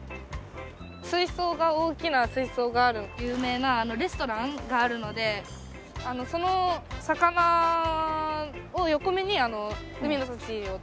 水槽が大きな水槽がある有名なレストランがあるのでその魚を横目に海の幸を食べられたりする。